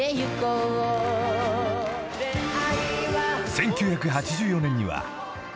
［１９８４年には］